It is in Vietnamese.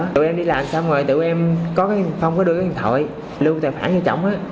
tụi em đi làm xong rồi tụi em có cái phong có đưa cái điện thoại lưu tài khoản cho chồng